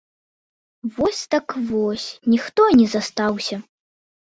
Вось так вось ніхто і не застаўся.